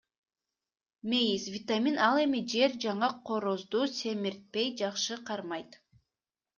Мейиз — витамин, ал эми жер жаңгак корозду семиртпей жакшы кармайт.